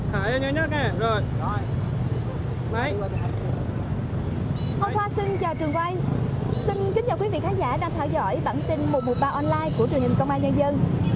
hôm qua xin chào trường quay xin kính chào quý vị khán giả đang theo dõi bản tin một trăm một mươi ba online của truyền hình công an nhân dân